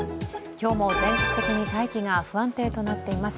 今日も全国的に大気が不安定となっています。